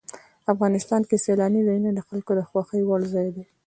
افغانستان کې سیلانی ځایونه د خلکو د خوښې وړ ځای دی.